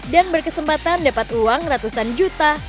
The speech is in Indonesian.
dan berkesempatan dapat uang ratusan juta